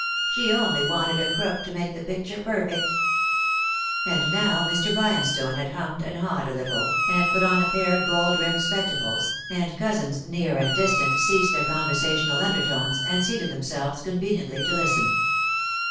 She only wanted a crook to make the picture perfect." And now Mr. Bryanstone had hummed and hawed a little, and had put on a pair of gold rimmed spectacles, and cousins near and distant ceased their conversational undertones, and seated them selves conveniently to listen.